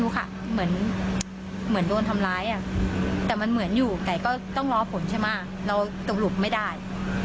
ดูมันเป็นรอยจ้ำจ้ำจ้ำแล้วก็เป็นภูพองอ่ะพี่